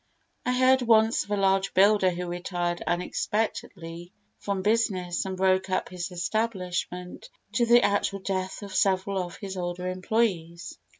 I heard once of a large builder who retired unexpectedly from business and broke up his establishment to the actual death of several of his older employés.